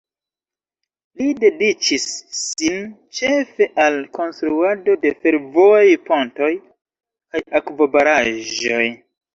Li dediĉis sin ĉefe al konstruado de fervojaj pontoj kaj akvobaraĵoj.